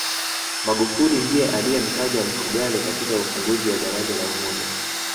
magufuli ndiye aliyemtaja mfugale katika ufunguzi wa daraja la umoja